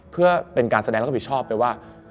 เพื่อเป็นการแสดงแล้วก็ผิดชอบไปว่า